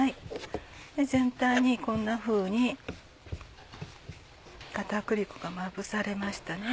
全体にこんなふうに片栗粉がまぶされましたね。